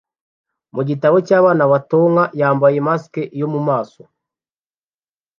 mu gitabo cyabana ba Tonka yambaye mask yo mumaso